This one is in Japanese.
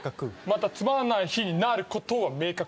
またつまんない日になることは明確